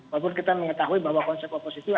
walaupun kita mengetahui bahwa konsep oposisi